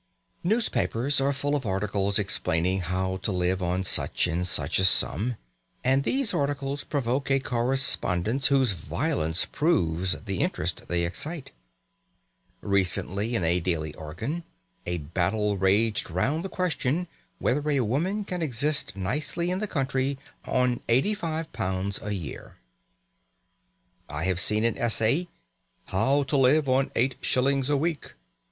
Newspapers are full of articles explaining how to live on such and such a sum, and these articles provoke a correspondence whose violence proves the interest they excite. Recently, in a daily organ, a battle raged round the question whether a woman can exist nicely in the country on L85 a year. I have seen an essay, "How to live on eight shillings a week."